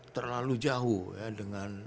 terlalu jauh dengan